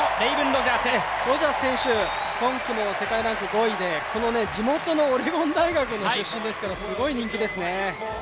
ロジャース選手、今季世界ランク５位で地元のオレゴン大学の出身ですから、すごい人気ですね。